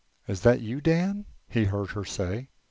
"Is that you, Dan?" he heard her say.